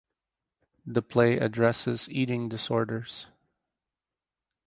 The play addresses eating disorders.